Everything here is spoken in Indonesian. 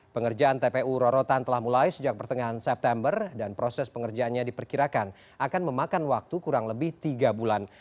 pengerjaan tpu rorotan telah mulai sejak pertengahan september dan proses pengerjaannya diperkirakan akan memakan waktu kurang lebih tiga bulan